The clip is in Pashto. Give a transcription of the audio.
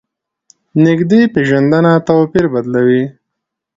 نږدې پېژندنه توپیر بدلوي.